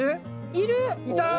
いた！